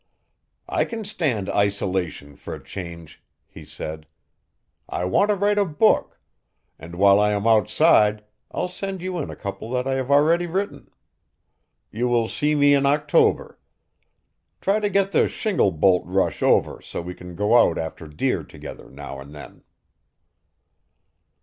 "I can stand isolation for a change," he said. "I want to write a book. And while I am outside I'll send you in a couple that I have already written. You will see me in October. Try to get the shingle bolt rush over so we can go out after deer together now and then."